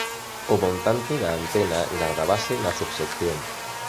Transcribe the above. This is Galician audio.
O montante da antena gardábase na subsección.